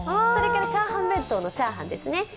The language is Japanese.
それからチャーハン弁当のチャーハンですね。